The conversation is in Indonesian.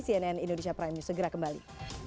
cnn indonesia prime news segera kembali